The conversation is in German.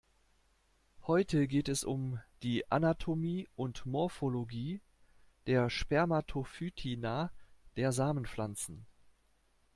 Heute geht es um die Anatomie und Morphologie der Spermatophytina, der Samenpflanzen.